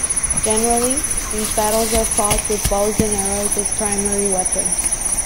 Generally, these battles are fought with bows and arrows as the primary weapon.